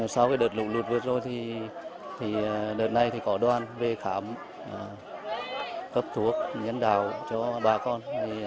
sau đợt lũ lụt vừa qua đợt này có đoàn về khám cấp thuốc nhân đào cho bà con